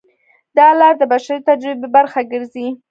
دا لار د بشري تجربې برخه ګرځي.